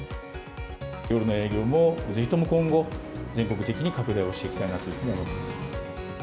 夜の営業も、ぜひとも今後、全国的に拡大をしていきたいなというふうに思います。